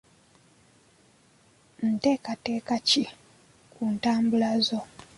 Nteekateeka ki ku ntambula zo?